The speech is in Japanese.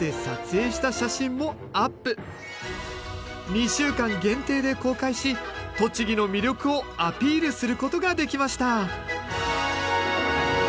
２週間限定で公開し栃木の魅力をアピールすることができました。